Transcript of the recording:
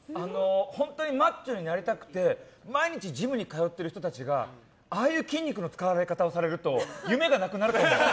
本当にマッチョになりたくて毎日ジムに通っている人たちがああいう筋肉の使われ方をされると夢がなくなると思う。